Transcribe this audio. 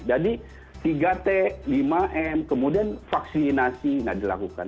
jadi tiga t lima m kemudian vaksinasi tidak dilakukan